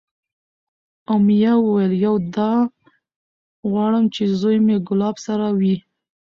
امیه وویل: یو دا غواړم چې زوی مې کلاب راسره وی،